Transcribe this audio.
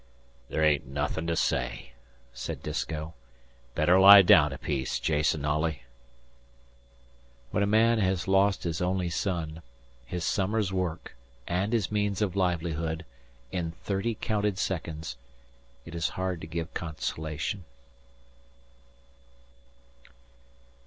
"There ain't nothin' to say," said Disko. "Better lie down a piece, Jason Olley." When a man has lost his only son, his summer's work, and his means of livelihood, in thirty counted seconds, it is hard to give consolation.